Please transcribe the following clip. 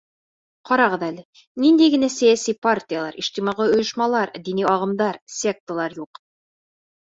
Ҡарағыҙ әле: ниндәй генә сәйәси партиялар, ижтимағи ойошмалар, дини ағымдар, секталар юҡ!